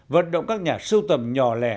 vận động các nhà sưu tầm nhỏ lẻ